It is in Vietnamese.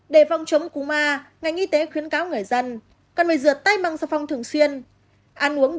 để phòng chống cúm a ngành y tế khuyến cáo người dân cần phải rượt tay măng sạc phòng thường xuyên